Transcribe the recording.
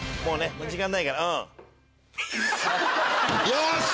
よし！